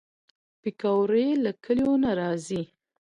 پکورې له کلیو نه راځي